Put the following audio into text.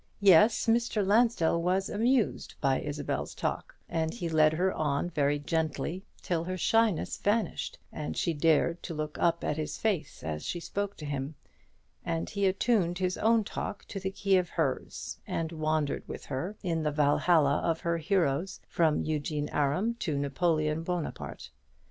Yes, Mr. Lansdell was amused by Isabel's talk; and he led her on very gently, till her shyness vanished, and she dared to look up at his face as she spoke to him; and he attuned his own talk to the key of hers, and wandered with her in the Valhalla of her heroes, from Eugene Aram to Napoleon Buonaparte.